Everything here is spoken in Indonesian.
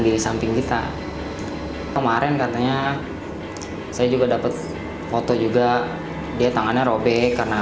di samping kita kemarin katanya saya juga dapat foto juga dia tangannya robek karena